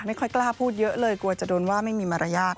ไม่ค่อยกล้าพูดเยอะเลยกลัวจะโดนว่าไม่มีมารยาท